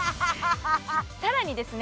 さらにですね